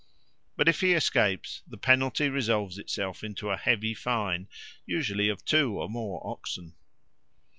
But if he escapes, the penalty resolves itself into a heavy fine, usually of two or more oxen.